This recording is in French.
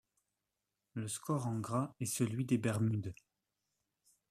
Le score en gras est celui des Bermudes.